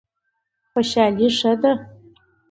خوشحالي ښه دی.